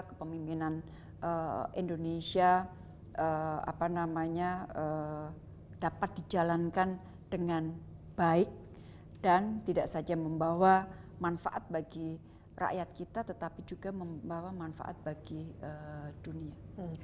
kepemimpinan indonesia dapat dijalankan dengan baik dan tidak saja membawa manfaat bagi rakyat kita tetapi juga membawa manfaat bagi dunia